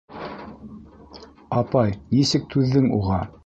Апай, нисек түҙҙең уға?